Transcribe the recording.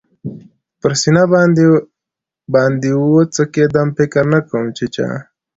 پر سینه باندې و څکېدم، فکر نه کوم چې چا.